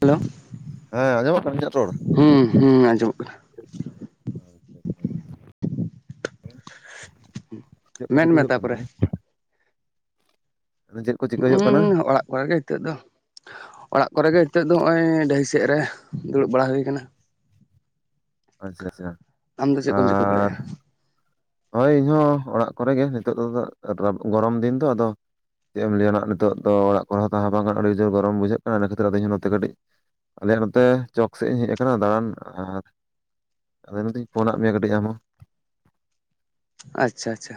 Hello ᱦᱮᱸ ᱟᱸᱡᱚᱢᱚᱜ ᱠᱟᱱᱟ ᱤᱧᱟᱹᱜ ᱨᱚᱲ᱾ ᱦᱩᱸ ᱦᱩᱸ ᱟᱸᱡᱚᱢᱚᱜ ᱠᱟᱱᱟ ᱪᱮᱫ ᱦᱩ ᱠᱚ ᱢᱮᱱ ᱪᱤᱠᱟᱹ ᱢᱮ ᱦᱩᱭᱩᱜ ᱠᱟᱱᱟ ᱛᱟᱯᱚᱨᱮ ᱛᱟᱦᱚᱞᱮ? ᱪᱮᱫ ᱠᱚ ᱪᱤᱠᱟᱹ ᱦᱩᱸ ᱦᱩᱭᱩᱜ ᱠᱟᱱᱟ ᱦᱩᱸᱚᱲᱟᱜ ᱠᱚᱨᱮ ᱜᱮ ᱱᱤᱛᱚᱜ ᱫᱚ ᱚᱲᱟᱜ ᱠᱚᱨᱮ ᱜᱮ ᱱᱤᱛᱚᱜ ᱫᱚ ᱱᱚᱜ-ᱚᱭ ᱰᱟᱹᱦᱤ ᱥᱮᱫ ᱨᱮ ᱫᱩᱲᱩᱵ ᱵᱟᱲᱟ ᱦᱩᱭ ᱟᱠᱟᱱᱟ᱾ ᱟᱪᱪᱷᱟ ᱟᱪᱪᱷᱟ ᱟᱢ ᱫᱚ ᱪᱮᱫ ᱠᱚᱢ ᱪᱤᱠᱟᱹ ᱵᱟᱲᱟᱭ ᱟᱨ ᱮᱜ-ᱟ᱾ ᱦᱳᱭ ᱤᱧᱦᱚᱸ ᱚᱲᱟᱜ ᱠᱚᱨᱮ ᱜᱮ ᱱᱤᱛᱚᱜ ᱫᱚ ᱜᱚᱨᱚᱢ ᱫᱤᱱ ᱫᱚ ᱟᱫᱚ᱾ ᱪᱮᱫ ᱮᱢ ᱞᱟᱹᱭ ᱱᱟᱦᱟᱜ ᱱᱤᱛᱚᱜ ᱫᱚ ᱚᱲᱟᱜ ᱠᱚᱨᱮ ᱦᱚᱸ ᱛᱟᱦᱮᱸ ᱵᱟᱝ ᱜᱟᱱᱚᱜ-ᱟ ᱟᱹᱰᱤ ᱡᱳᱨ ᱜᱚᱨᱚᱢ ᱵᱩᱡᱷᱟᱹᱜ ᱠᱟᱱᱟ ᱤᱱᱟ ᱠᱷᱟᱹᱛᱤᱨ ᱤᱧ ᱦᱚᱸ ᱱᱚᱛᱮ ᱠᱟᱹᱴᱤᱡ ᱟᱞᱮᱭᱟᱜ ᱱᱚᱛᱮ ᱪᱚᱠ ᱥᱮᱜ ᱤᱧ ᱦᱮᱡ ᱟᱠᱟᱱᱟ ᱫᱟᱬᱟᱱ ᱟᱨ᱾ ᱟᱫᱚ ᱤᱱᱟᱛᱤᱝ ᱯᱷᱳᱱᱟᱜ ᱢᱮᱣᱟ ᱠᱟᱹᱴᱤᱡ ᱟᱢ ᱦᱚᱸ᱾ ᱟᱪᱪᱷᱟ ᱟᱪᱪᱷᱟ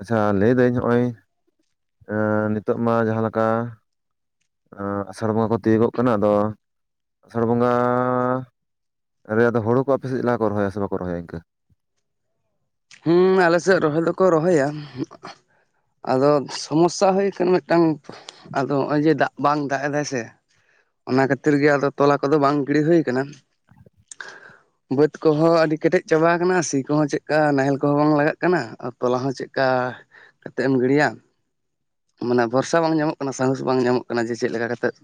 ᱟᱪᱪᱷᱟ ᱞᱟᱹᱭ ᱫᱟᱹᱧ ᱦᱚᱜ-ᱚᱭ ᱟᱹ ᱱᱤᱛᱚᱜ ᱢᱟ ᱡᱟᱦᱟᱸ ᱞᱮᱠᱟ᱾ ᱟᱹ ᱟᱥᱟᱲ ᱵᱚᱸᱜᱟ ᱠᱚ ᱛᱤᱭᱳᱜᱚᱜ ᱠᱟᱱᱟ ᱟᱫᱚ ᱟᱥᱟᱲ ᱵᱚᱸᱜᱟ ᱟᱨᱮ ᱟᱫᱚ ᱦᱩᱲᱩ ᱠᱚ ᱟᱯᱮ ᱥᱮᱫ ᱪᱮᱫ ᱞᱮᱠᱟ ᱠᱚ ᱨᱚᱦᱚᱭᱟ ᱥᱮ ᱵᱟᱠᱚ ᱨᱚᱦᱚᱭᱟ ᱤᱱᱠᱟᱹ ᱦᱩᱸ ᱟᱞᱮ ᱥᱮᱫ ᱨᱚᱦᱚᱭ ᱫᱚᱠᱚ ᱨᱚᱦᱚᱭᱟ ᱦᱩᱸᱼᱟ ᱟᱫᱚ ᱥᱚᱢᱚᱥᱥᱟ ᱦᱩᱭ ᱠᱟᱱᱟ ᱢᱤᱫᱴᱟᱝ ᱟᱫᱚ ᱦᱚᱜ-ᱚᱭ ᱡᱮ ᱫᱟᱜ ᱵᱟᱝ ᱫᱟᱜ ᱮᱫᱟᱭ ᱥᱮ ᱚᱱᱟ ᱠᱷᱟᱹᱛᱤᱨ ᱜᱮ ᱟᱫᱚ ᱛᱚᱞᱟ ᱠᱚᱫᱚ ᱵᱟᱝ ᱜᱤᱲᱤ ᱦᱩᱭ ᱠᱟᱱᱟ ᱵᱟ‍ᱹᱛ ᱠᱚᱦᱚ ᱟᱹᱰᱤ ᱠᱮᱴᱮᱡ ᱪᱟᱵᱟ ᱠᱟᱱᱟ ᱥᱤ ᱠᱚᱦᱚᱸ ᱪᱮᱫ ᱚᱝᱠᱟ ᱱᱟᱦᱮᱞ ᱠᱚᱦᱚᱸ ᱵᱟᱝ ᱞᱟᱜᱟᱜ ᱠᱟᱱᱟ ᱛᱚᱞᱟ ᱦᱚᱸ ᱪᱮᱫ ᱠᱟ ᱠᱟᱛᱮᱫ ᱮᱢ ᱜᱤᱲᱤᱣᱟ᱾ ᱢᱟᱱᱮ ᱵᱷᱚᱨᱥᱟ ᱵᱟᱝ ᱧᱟᱢᱚᱜ ᱠᱟᱱᱟ ᱥᱟᱦᱚᱥ ᱵᱟᱝ ᱧᱟᱢᱚᱜ ᱠᱟᱱᱟ ᱡᱮ ᱪᱮᱫ ᱞᱮᱠᱟ ᱠᱟᱛᱮᱫ